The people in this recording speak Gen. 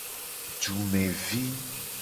Dumevi.